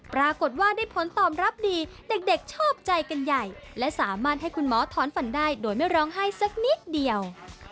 ปรากฏว่าได้ผลตอบรับดีเด็กชอบใจกันใหญ่และสามารถให้คุณหมอถอนฝันได้โดยไม่ร้องไห้สักนิดเดียว